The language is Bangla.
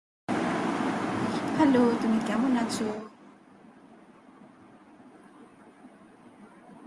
মান্য বা আদর্শ আলবেনীয় ভাষা আলবেনিয়া রাষ্ট্রের সরকারি ভাষা।